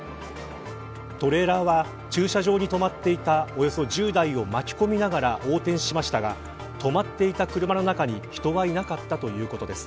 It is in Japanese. トレーラーは駐車場に止まっていたおよそ１０台を巻き込みながら横転しましたが止まっていた車の中に人は居なかったということです。